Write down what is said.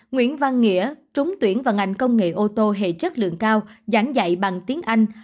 nguyễn văn nghĩa trúng tuyển vào ngành công nghệ ô tô hệ chất lượng cao giảng dạy bằng tiếng anh